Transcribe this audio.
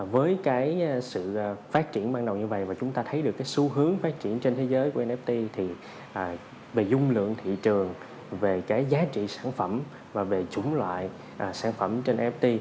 với cái sự phát triển ban đầu như vậy và chúng ta thấy được cái xu hướng phát triển trên thế giới của nft thì về dung lượng thị trường về cái giá trị sản phẩm và về chủng loại sản phẩm trên ft